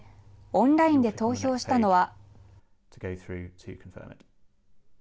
オンラインで投票したのは。